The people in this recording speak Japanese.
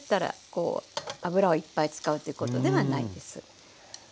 こう油をいっぱい使うということではないです。